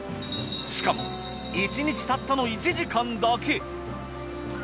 しかも１日たったの１時間だけ。